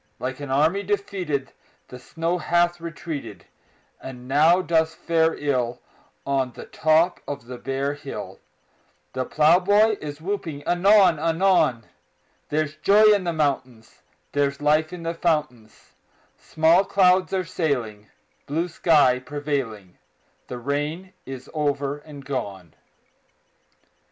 Like an army defeated The snow hath retreated, And now doth fare ill On the top of the bare hill; The plowboy is whooping anon anon: There's joy in the mountains; There's life in the fountains; Small clouds are sailing, Blue sky prevailing; The rain is over and gone!